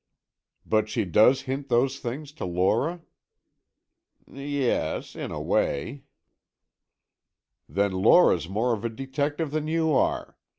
"But she does hint those things to Lora?" "Y—yes, in a way." "Then Lora's more of a detective than you are.